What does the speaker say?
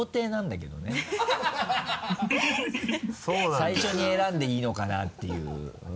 最初に選んでいいのかなっていう。